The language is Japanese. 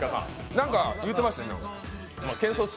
何か言うてましたね。